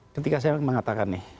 ketika saya mengatakan nih